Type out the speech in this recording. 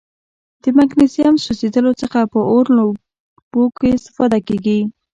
د مګنیزیم سوځیدلو څخه په اور لوبو کې استفاده کیږي.